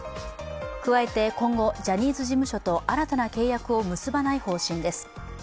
加えて今後、ジャニーズ事務所と新たな契約を結ばない方針です。